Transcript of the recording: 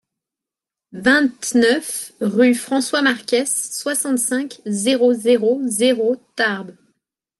vingt-neuf rue François Marquès, soixante-cinq, zéro zéro zéro, Tarbes